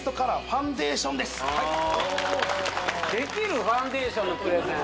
ファンデーションのプレゼン